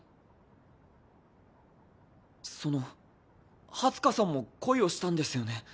そのうハツカさんも恋をしたんですよね？